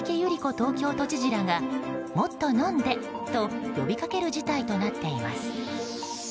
東京都知事らがもっと飲んでと呼びかける事態となっています。